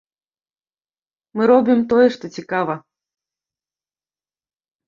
Мы робім тое, што цікава.